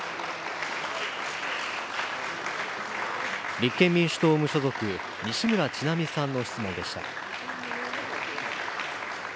立憲民主党無所属、西村智奈美さんの質問でした。